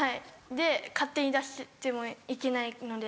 で勝手に出してもいけないので。